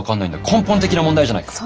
根本的な問題じゃないか。